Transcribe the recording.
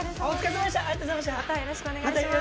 またよろしくお願いします。